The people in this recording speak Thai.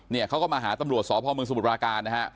เนี่ยเขาก็มาหาตำรวจสพมสมุทรปราการนะฮะ